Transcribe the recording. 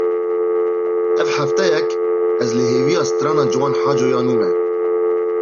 Ev hefteyek ez li hêviya strana Ciwan Haco ya nû me.